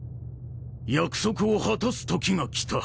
約束を果たす時が来た。